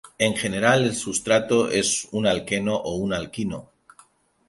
En general el sustrato es un alqueno o un alquino.